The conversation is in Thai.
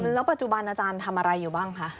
แล้วปัจจุบันอาจารย์ทำอะไรอยู่บ้างคะ